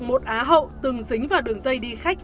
một á hậu từng dính vào đường dây đi khách